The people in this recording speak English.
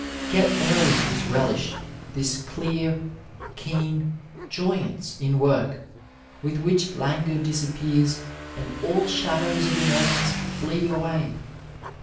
(ret early this relish, this dear, keen joj^nee in work, with which languor disappears and all shadows of annoyance flee away.